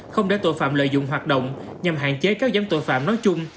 không để tội phạm lợi dụng hoạt động nhằm hạn chế các giám tội phạm nói chung